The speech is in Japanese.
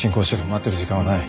待ってる時間はない。